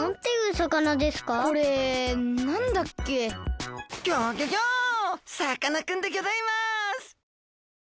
さかなクンでギョざいます！